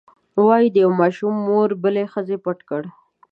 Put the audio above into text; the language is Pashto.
وایي د یوې مور ماشوم بلې ښځې پټ کړ.